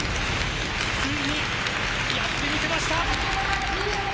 ついにやってみせました。